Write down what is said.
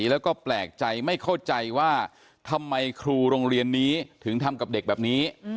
แล้วก็แปลกใจไม่เข้าใจว่าทำไมครูโรงเรียนนี้ถึงทำกับเด็กแบบนี้